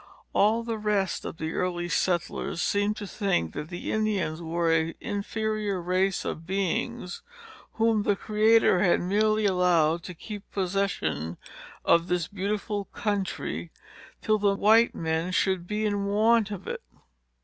All the rest of the early settlers seemed to think that the Indians were an inferior race of beings, whom the Creator had merely allowed to keep possession of this beautiful country, till the white men should be in want of it.